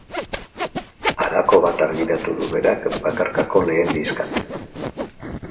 Halako bat argitaratu du berak bakarkako lehen diskan.